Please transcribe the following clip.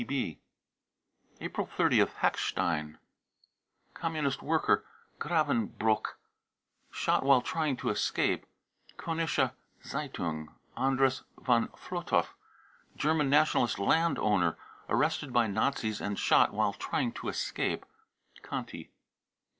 (WTB.) April 30th. hackstein, Communist # worker, Gravenbroich, shot ts while trying to escape." (Kolnische Z e ^ un g>) andres von flotov, German Nationalist landowner, arrested by Nazis and shot <e while trying to escape." (Conti.)